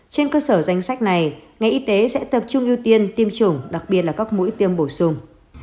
trên cơ sở danh sách này ngành y tế sẽ tập trung ưu tiên tiêm chủng đặc biệt là các mũi tiêm bổ sung